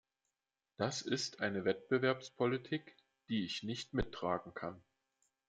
Das ist eine Wettbewerbspolitik, die ich nicht mittragen kann.